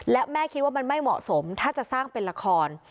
และแม่คิดว่ามันไม่เหมาะสมถ้าจะสร้างเป็นละคร